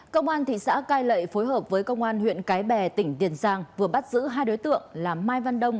công an thị xã cai lệ phối hợp với công an huyện cái bè tỉnh tiền giang vừa bắt giữ hai đối tượng là mai văn đông